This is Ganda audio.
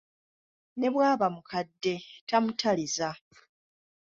Ne bw’aba mukadde tamutaliza!